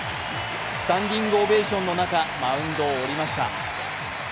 スタンディングオベーションの中マウンドを降りました。